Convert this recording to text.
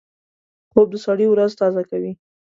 خوب د سړي ورځ تازه کوي